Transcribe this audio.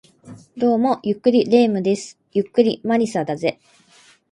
どうも、ゆっくり霊夢です。ゆっくり魔理沙だぜ